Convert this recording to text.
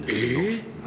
えっ？